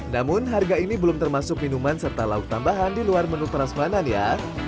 namun harga ini belum termasuk minuman serta lauk tambahan di luar menu prasmanan ya